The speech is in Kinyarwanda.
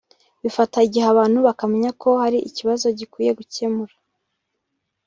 Bifata igihe abantu bakamenya ko hari ikibazo bakwiye gukemura